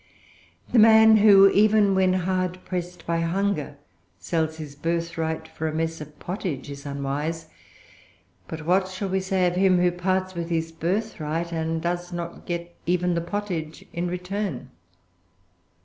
The man who, even when hard pressed by hunger, sells his birthright for a mess of pottage, is unwise. But what shall we say of him who parts with his birthright, and does not get even the pottage in return?